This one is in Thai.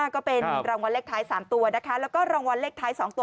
ก็เป็นรางวัลเลขท้าย๓ตัวนะคะแล้วก็รางวัลเลขท้าย๒ตัว